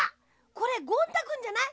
これゴン太くんじゃない？